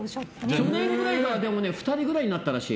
去年ぐらいから２人ぐらいになったらしい。